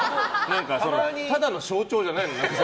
ただの象徴じゃないの？